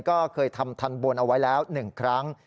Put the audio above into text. ก็เคยทำทันบนเอาไว้แล้ว๑ครั้ง